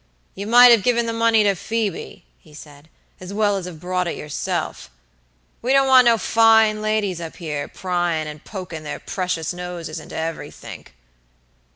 "You might have given the money to Phoebe," he said, "as well as have brought it yourself. We don't want no fine ladies up here, pryin' and pokin' their precious noses into everythink."